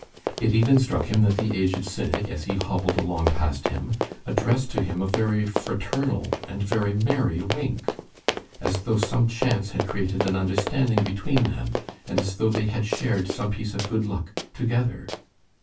It even struck him that the aged cynic, as he hobbled along past him, addressed to him a very fraternal and very merry wink, as though some chance had created an understanding between them, and as though they had shared some piece of good luck together.